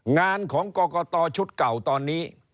งานของกรกตชุดเก่าตอนนี้